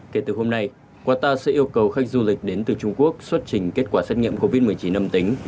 kể từ hôm nay qatar sẽ yêu cầu khách du lịch đến từ trung quốc xuất trình kết quả xét nghiệm covid một mươi chín âm tính